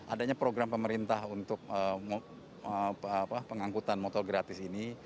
adanya program pemerintah untuk pengangkutan motor gratis ini